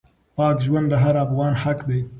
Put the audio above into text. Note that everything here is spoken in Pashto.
پاک ژوند د هر افغان حق دی.